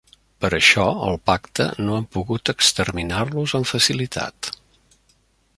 Per això, El Pacte no han pogut exterminar-los amb facilitat.